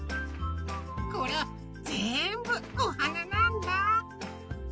これぜんぶおはななんだ。